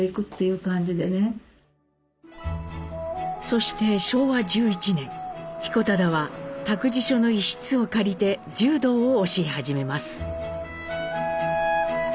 そして昭和１１年彦忠は託児所の一室を借りて柔道を教え始めます。